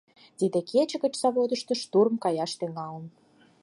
Тиде кече гыч заводышто штурм каяш тӱҥалын.